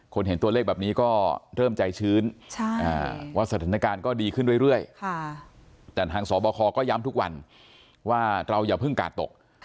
เห็นตัวเลขแบบนี้ก็เริ่มใจชื้นว่าสถานการณ์ก็ดีขึ้นเรื่อยแต่ทางสบคก็ย้ำทุกวันว่าเราอย่าเพิ่งกาดตก